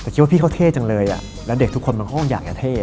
แต่คิดว่าพี่เขาเท่จังเลยแล้วเด็กทุกคนมันก็คงอยากจะเท่